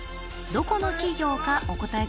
どこの企業かお答え